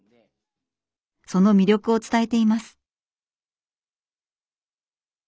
その魅力を伝えています。